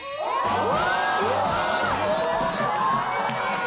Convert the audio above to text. うわ！